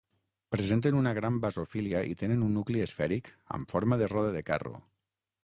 Presenten una gran basofília i tenen un nucli esfèric amb forma de roda de carro.